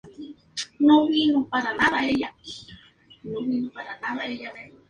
Es el que vigila la cabeza de los creyentes.